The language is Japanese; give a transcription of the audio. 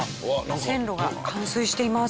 線路が冠水しています。